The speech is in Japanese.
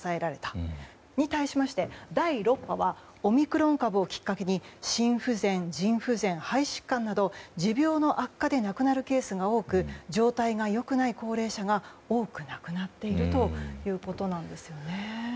それに対しまして第６波はオミクロン株をきっかけに心不全、腎不全、肺疾患など持病の悪化で亡くなるケースが多く状態が良くない高齢者が多く亡くなっているということなんですよね。